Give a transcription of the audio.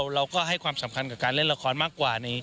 เราก็ให้ความสำคัญกับการเล่นละครมากกว่า